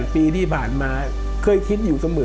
ปีที่ผ่านมาเคยคิดอยู่เสมอ